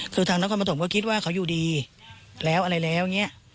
คือทางนักควรมะถมก็คิดว่าเขาอยู่ดีแล้วอะไรแล้วเนี่ย